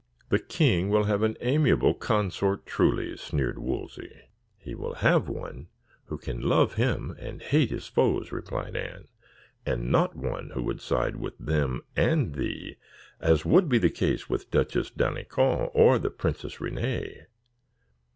"The king will have an amiable consort, truly," sneered Wolsey. "He will have one who can love him and hate his foes," replied Anne; "and not one who would side with them and thee, as would be the case with the Duchess d'Alencon or the Princess Renee.